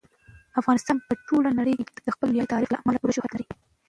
افغانستان په ټوله نړۍ کې د خپل ویاړلي تاریخ له امله پوره شهرت لري.